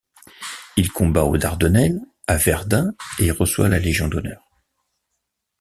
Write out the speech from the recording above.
Il combat aux Dardanelles, à Verdun et reçoit la Légion d'honneur.